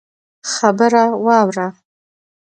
خبره واوره!